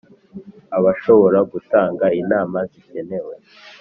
Abashobora gutanga inama zikenewe